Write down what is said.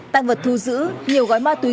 tăng vật thu giữ nhiều gói ma túy